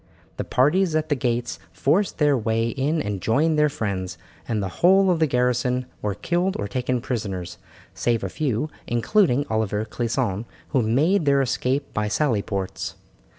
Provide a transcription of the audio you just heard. The parties at the gates forced their way in and joined their friends, and the whole of the garrison were killed or taken prisoners, save a few, including Oliver Clisson, who made their escape by sally ports.